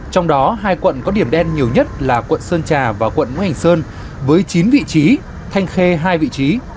trong đó hai quận có điểm đen nhiều nhất là quận sơn trà và quận ngũ hành sơn với chín vị trí thanh khê hai vị trí